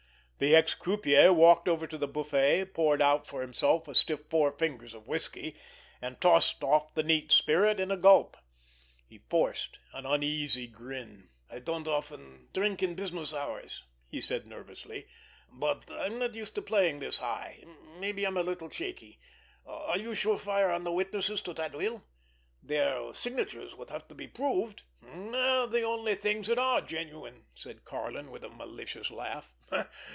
The ex croupier walked over to the buffet, poured out for himself a stiff four fingers of whisky, and tossed off the neat spirit at a gulp. He forced an uneasy grin. "I don't often drink in business hours," he said nervously. "But I'm not used to playing this high—maybe I'm a little shaky. Are you sure fire on the witnesses to that will? Their signatures would have to be proved." "They're the only things that are genuine," said Karlin, with a malicious laugh.